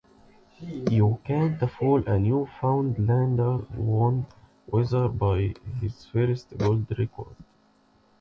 "You Can't Fool A Newfoundlander" won Weatherby his first gold record.